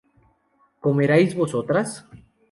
¿comeríais vosotras?